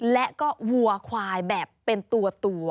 และก็วัวควายแบบเป็นตัว